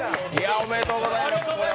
おめでとうございます。